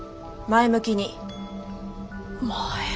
前向きに。